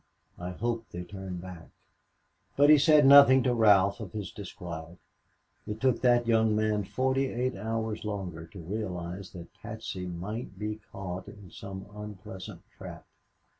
"I hope they turned back," but he said nothing to Ralph of his disquiet. It took that young man forty eight hours longer to realize that Patsy might be caught in some unpleasant trap.